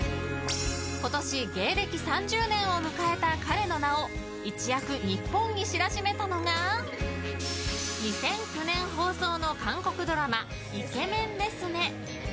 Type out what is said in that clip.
今年、芸歴３０年を迎えた彼の名を一躍日本に知らしめたのが２００９年放送の韓国ドラマ「美男ですね」。